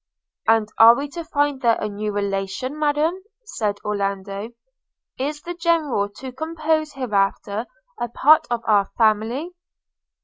– 'And are we to find there a new relation, Madam?' said Orlando. 'Is the General to compose hereafter a part of our family?'